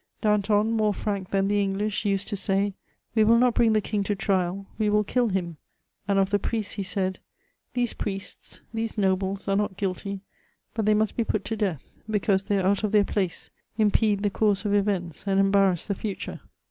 Danton, more frank than the English, used to say, '<We will not bring the king to trial, we will kill him :" and of the priests, he said, ^^ These priests, these nobles, are not guilty, but they must be put to death, because they are out of their place, impede the course of events, and embarrass the future."